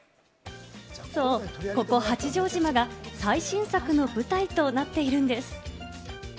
そう、ここ八丈島が最新作の舞台となっているんです。